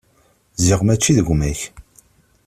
Ziɣ mačči d gma-k.